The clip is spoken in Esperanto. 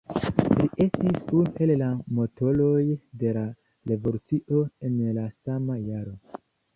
Li estis unu el la motoroj de la revolucio en la sama jaro.